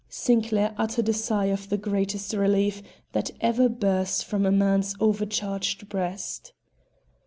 Sinclair uttered a sigh of the greatest relief that ever burst from a man's overcharged breast.